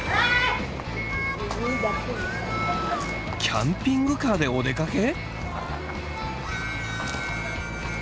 キャピングカーでお出かけ？